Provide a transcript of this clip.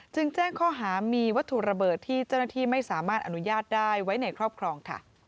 แจ้งข้อหามีวัตถุระเบิดที่เจ้าหน้าที่ไม่สามารถอนุญาตได้ไว้ในครอบครองค่ะ